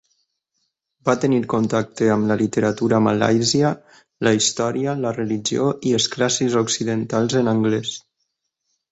Va tenir contacte amb la literatura malàisia, la història, la religió i els clàssics occidentals en anglès.